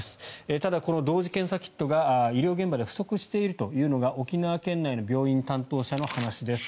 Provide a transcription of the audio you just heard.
ただ、同時検査キットが医療現場で不足しているというのが沖縄県内の病院担当者の話です。